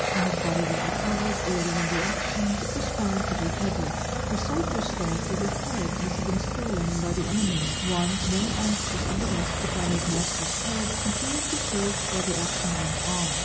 When his body was recovered, early in the action, it was found to be headless. The soldiers thought that the head must have been stolen by the enemy. One, more anxious than the rest to find his master's head, continued to search while the action went on.